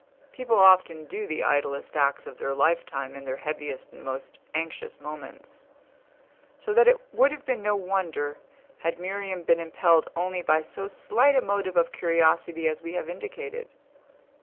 People often do the idlest acts of their lifetime in their heaviest and most anxious moments; so that it would have been no wonder had Miriam been impelled only by so slight a motive of curiosity as we have indicated.